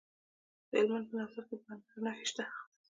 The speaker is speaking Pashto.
د هلمند په نوزاد کې د مرمرو نښې شته.